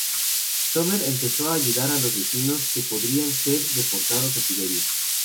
Sommer empezó a ayudar a los vecinos que podrían ser deportados a Siberia.